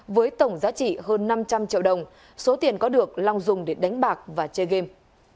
với tổng giá trị hơn năm trăm linh triệu đồng số tiền có được long dùng để đánh bạc và chơi game